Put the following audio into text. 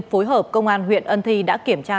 phối hợp công an huyện ân thi đã kiểm tra